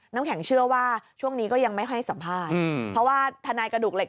น้ำแข็งเชื่อว่าช่วงนี้ก็ยังไม่ให้สัมภาษณ์เพราะว่าทนายกระดูกเหล็ก